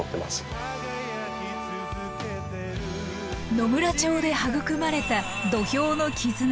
野村町で育まれた土俵の絆。